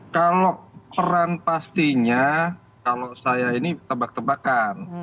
kalau peran pastinya kalau saya ini tebak tebakan